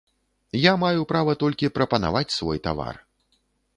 Я маю права толькі прапанаваць свой тавар.